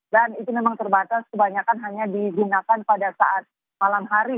dan itu memang terbatas kebanyakan hanya digunakan pada saat malam hari